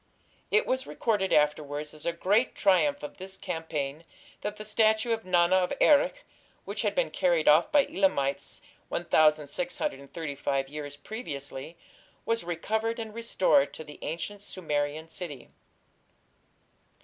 It was recorded afterwards as a great triumph of this campaign that the statue of Nana of Erech, which had been carried off by Elamites 1635 years previously, was recovered and restored to the ancient Sumerian city.